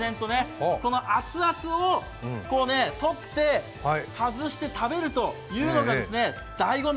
この熱々を取って外して食べるというのがだいご味。